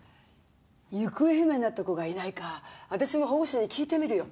行方不明になった子がいないか私も保護司に聞いてみるよ